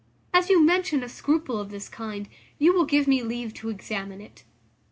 As you mention a scruple of this kind, you will give me leave to examine it.